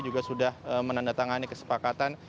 juga sudah menandatangani kesepakatan